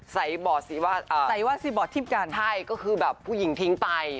ใส่วาดซีบอร์ดทิ้มกันใช่ก็คือแบบผู้หญิงทิ้งไป